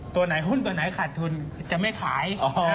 ตัวไหนหุ้นตัวไหนขาดทุนจะไม่ขาย